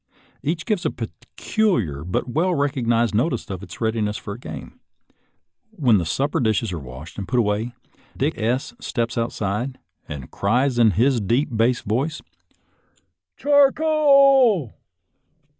Each gives a peculiar but well recognized notice of its readiness for a game. When the supper dishes are washed and put away Dick S steps outside, and cries in his deep bass voice, " Char c o a l